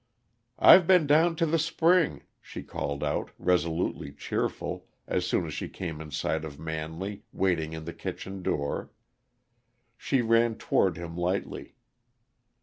"I've been to the spring," she called out, resolutely cheerful, as soon as she came in sight of Manley, waiting in the kitchen door; she ran toward him lightly.